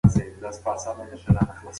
د ماشوم د سترګو پاک ټوکر ځانګړی کړئ.